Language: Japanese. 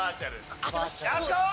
当てます！